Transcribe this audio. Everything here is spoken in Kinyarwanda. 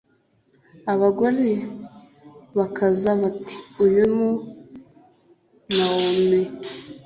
abagore bakabaza bati uyu ni Nawomi